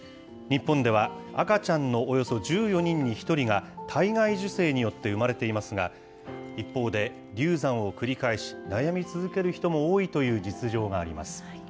日本では赤ちゃんのおよそ１４人に１人が体外受精によって生まれていますが、一方で、流産を繰り返し、悩み続ける人も多いという実情があります。